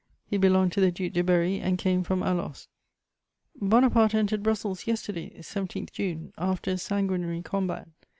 He belonged to the Duc de Berry and came from Alost: "Bonaparte entered Brussels yesterday (17 June), after a sanguinary combat.